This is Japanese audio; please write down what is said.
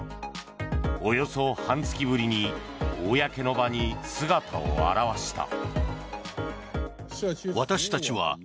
およそ半月ぶりに公の場に姿を現した。